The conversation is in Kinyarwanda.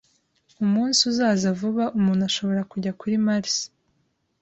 Umunsi uzaza vuba umuntu ashobora kujya kuri Mars.